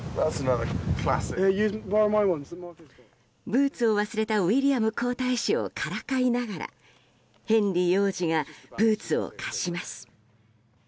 ブーツを忘れたウィリアム皇太子をからかいながらヘンリー王子がブーツを貸します。